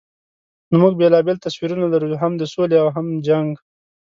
نو موږ بېلابېل تصویرونه لرو، هم د سولې او هم د جنګ.